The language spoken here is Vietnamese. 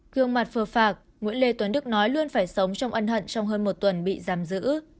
gương mặt phơ phạt nguyễn lê tuấn đức nói luôn phải sống trong ân hận trong hơn một tuần bị giam giữ